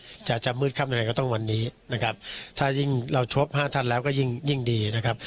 อาจจะจะมืดค่ำยังไงก็ต้องวันนี้นะครับถ้ายิ่งเราชกห้าท่านแล้วก็ยิ่งยิ่งดีนะครับ